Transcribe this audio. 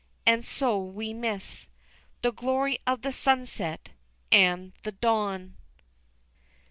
And so we miss The glory of the sunset and the dawn.